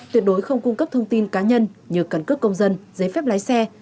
tuyệt đối không cung cấp thông tin cá nhân như cần cước công dân giấy phép lái xe